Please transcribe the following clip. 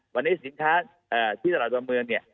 วันนี้สินค้าที่สลัดประเมินเนี่ย